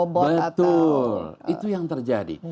betul itu yang terjadi